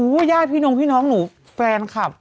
หู้ย่ายพี่น้องพี่น้องหนูแฟนคลับ